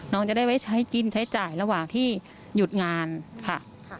น้องจะได้ไว้ใช้กินใช้จ่ายระหว่างที่หยุดงานค่ะ